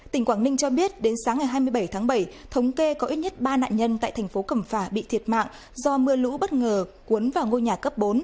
tỉnh quảng ninh cho biết đến sáng ngày hai mươi bảy tháng bảy thống kê có ít nhất ba nạn nhân tại thành phố cẩm phả bị thiệt mạng do mưa lũ bất ngờ cuốn vào ngôi nhà cấp bốn